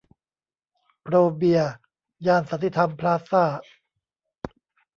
โปรเบียร์ ย่านสันติธรรมพลาซ่า